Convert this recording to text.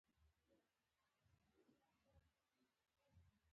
د بامیان نوم د رڼا مانا لري